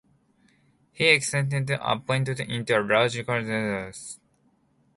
He extended a pond into a large curved lake.